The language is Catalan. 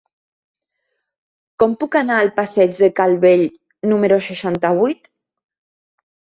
Com puc anar al passeig de Calvell número seixanta-vuit?